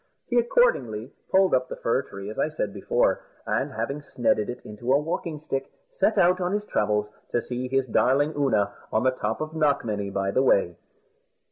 He accordingly pulled up the fir tree, as I said before, and having snedded it into a walking stick, set out on his travels to see his darling Oonagh on the top of Knockmany, by the way.